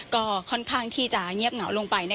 ก็ค่อนข้างที่จะเงียบเหงาลงไป